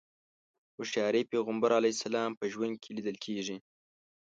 هوښياري پيغمبر علیه السلام په ژوند کې ليدل کېږي.